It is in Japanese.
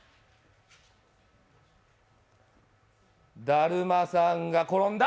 「だるまさんが転んだ」